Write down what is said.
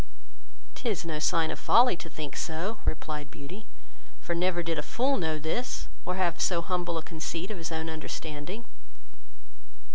"'Tis no sign of folly to think so, (replied Beauty,) for never did fool know this, or had so humble a conceit of his own understanding."